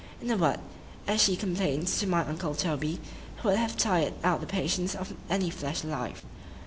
——In a word, as she complained to my uncle Toby, he would have tired out the patience of any flesh alive.